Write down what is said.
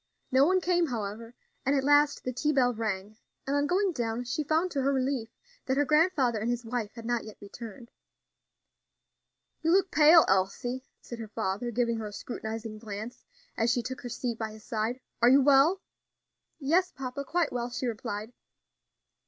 No one came, however, and at last the tea bell rang, and on going down she found to her relief that her grandfather and his wife had not yet returned. "You look pale, Elsie," said her father, giving her a scrutinizing glance as she took her seat by his side. "Are you well?" "Yes, papa, quite well," she replied.